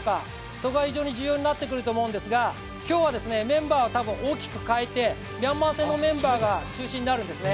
そこが非常に重要になってくると思うんですが今日はメンバーを多分大きく変えてミャンマー戦のメンバーが中心になるんですね。